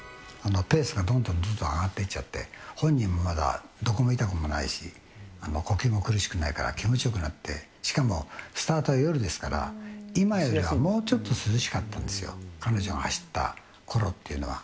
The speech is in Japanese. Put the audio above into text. ペースがどんどんどんどん上がっていっちゃって、本人もまだどこも痛くもないし、呼吸も苦しくないから気持ちよくなって、しかもスタートは夜ですから、今よりはもうちょっと涼しかったんですよ、彼女が走ったころっていうのは。